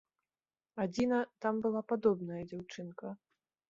Адзіна, там была падобная дзяўчынка.